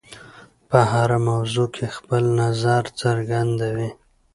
په هره موضوع کې خپل نظر څرګندوي.